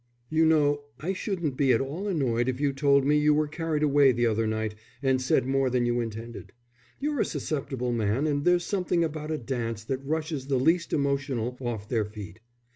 "You know, I shouldn't be at all annoyed if you told me you were carried away the other night and said more than you intended. You're a susceptible man and there's something about a dance that rushes the least emotional off their feet.